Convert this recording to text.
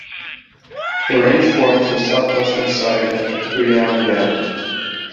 The range forms the southwestern side of the Cuyama Valley.